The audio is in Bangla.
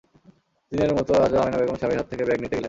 প্রতিদিনের মতো আজও আমেনা বেগম স্বামীর হাত থেকে ব্যাগ নিতে গেলেন।